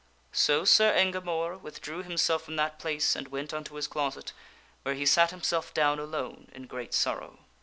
So Sir Engamore withdrew himself from that place and went unto his closet, where he sat himself down alone in great sorrow.